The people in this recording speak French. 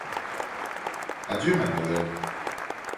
Adieu, mademoiselle.